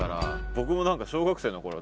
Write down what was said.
僕も何か小学生のころ